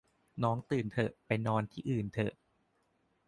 น้อง ตื่น เถอะ ไป นอน ที่ อื่น เถอะ